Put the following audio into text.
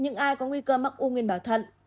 những ai có nguy cơ mắc u nguyên bảo thận